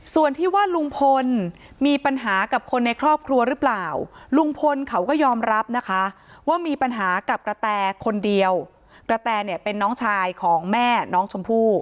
ส่วนที่ว่าลุงพลมีปัญหากับคนในครอบครัวหรือเปล่าลุงพลเขาก็ยอมรับนะคะว่ามีปัญหากับกระแตคนเดียวกระแตเนี่ยเป็นน้องชายของแม่น้องชมพู่